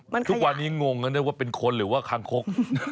มันขยะทุกวันนี้งงนั่นได้ว่าเป็นคนหรือว่าครั้งคก